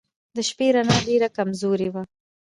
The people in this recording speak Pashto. د شپې رڼا ډېره کمزورې وه.